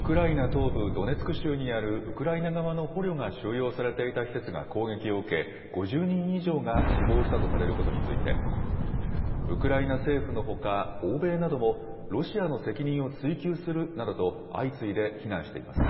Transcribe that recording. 東部ドネツク州にあるウクライナ側の捕虜が収容されていた施設が攻撃を受け、５０人以上が死亡したとされることについて、ウクライナ政府のほか、欧米なども、ロシアの責任を追及するなどと、相次いで非難しています。